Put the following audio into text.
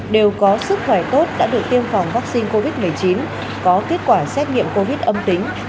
đều có sức khỏe tốt đã được tiêm phòng vaccine covid một mươi chín có kết quả xét nghiệm covid âm tính